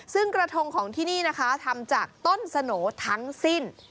ซึ่งกระทงของที่นี่นะคะทำจากต้นสโหน่ทั้งสิ้น